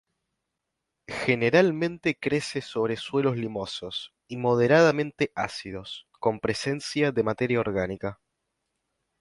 Generalmente crece sobre suelos limosos, y moderadamente ácidos, con presencia de materia orgánica.